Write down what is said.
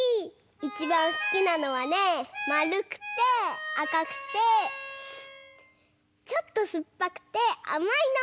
いちばんすきなのはねまるくてあかくてちょっとすっぱくてあまいの。